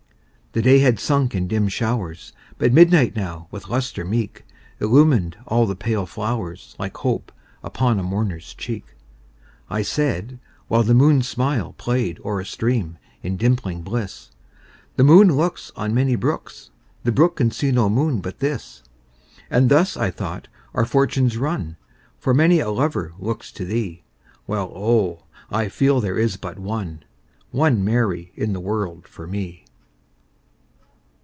The day had sunk in dim showers, But midnight now, with lustre meek, Illumined all the pale flowers, Like hope upon a mourner's cheek.I said (whileThe moon's smilePlay'd o'er a stream, in dimpling bliss),The moon looksOn many brooks, The brook can see no moon but this; And thus, I thought, our fortunes run, For many a lover looks to thee, While oh! I feel there is but one, One Mary in the world for me.